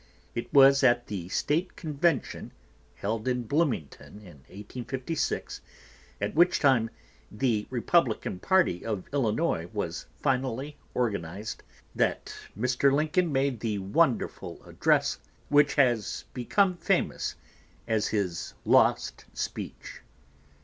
It was at the State convention held in Bloomington in 1856, at which time the Republican party of Illinois was finally organized, that Mr. Lincoln made the wonderful address which has become famous as his "lost speech."